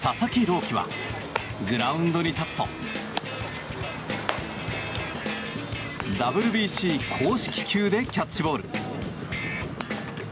希はグラウンドに立つとＷＢＣ公式球でキャッチボール。